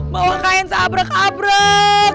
bawa kain seabrek abrek